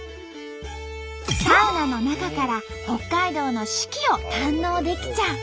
サウナの中から北海道の四季を堪能できちゃう。